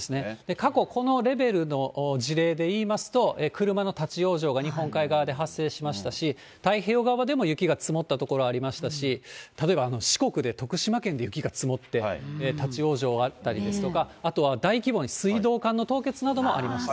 過去、このレベルの事例で言いますと、車の立往生が日本海側で発生しましたし、太平洋側でも雪が積もった所ありましたし、例えば、四国で、徳島県で雪が積もって、立往生あったりですとか、あとは大規模な水道管の凍結などもありました。